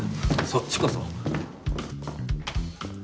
そっちこそ。